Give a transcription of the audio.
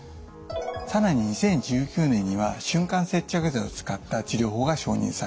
更に２０１９年には瞬間接着剤を使った治療法が承認されています。